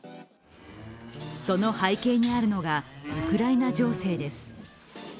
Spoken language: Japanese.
その背景にあるのがウクライナ情勢です。